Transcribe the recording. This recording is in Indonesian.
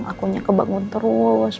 aku nyake bangun terus